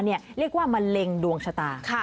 เรียกว่ามะเร็งดวงชะตา